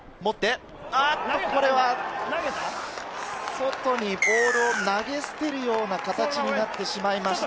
外にボールを投げ捨てるような形になってしまいました。